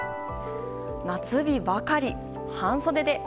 夏日ばかり、半袖で。